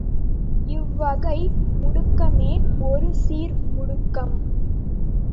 இவ்வகை முடுக்கமே ஒருசீர் முடுக்கம்.